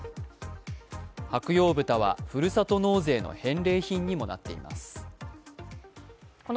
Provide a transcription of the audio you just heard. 白楊豚はふるさと納税の返礼品にもなっています。